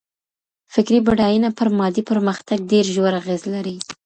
فکري بډاينه پر مادي پرمختګ ډېر ژور اغېز لري.